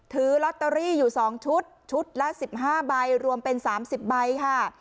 ถือลอตเตอรี่อยู่๒ชุดชุดละ๑๕ใบรวมเป็น๓๐ใบค่ะ